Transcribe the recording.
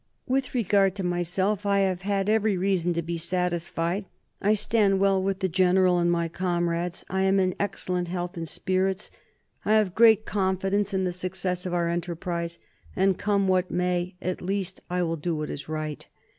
"With regard to myself, I have had every reason to be satisfied; I stand fair with the General and my camarades; I am in excellent health and spirits; I have great confidence in the success of our enterprise; and, come what may, at least I will do what is right.